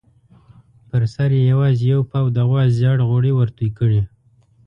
پر سر یې یوازې یو پاو د غوا زېړ غوړي ورتوی کړي.